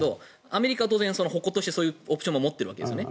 アメリカは当然、矛としてそういうオプションを持っているわけですね。